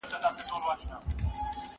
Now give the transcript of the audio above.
دولت باید په اقتصاد کي ونډه ولري.